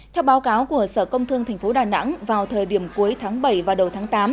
theo báo cáo của sở công thương tp đà nẵng vào thời điểm cuối tháng bảy và đầu tháng tám